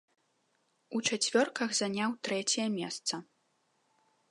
У чацвёрках заняў трэцяе месца.